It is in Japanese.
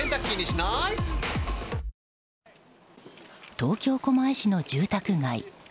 東京・狛江市の住宅街。